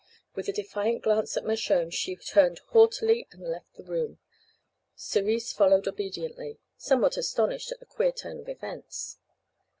With a defiant glance at Mershone she turned haughtily and left the room. Cerise followed obediently, somewhat astonished at the queer turn of events.